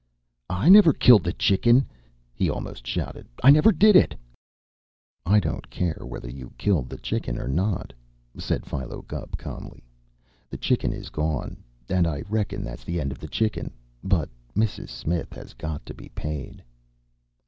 "I never killed the Chicken!" he almost shouted. "I never did it!" "I don't care whether you killed the chicken or not," said Philo Gubb calmly. "The chicken is gone, and I reckon that's the end of the chicken. But Mrs. Smith has got to be paid."